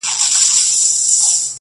درې څلور يې وه غوايي په طبیله کي!!